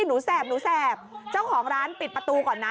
แสบหนูแสบเจ้าของร้านปิดประตูก่อนนะ